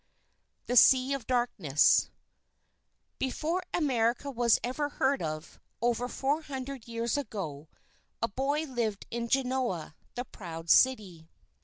THE SEA OF DARKNESS Before America was ever heard of, over four hundred years ago, a boy lived in Genoa the Proud City.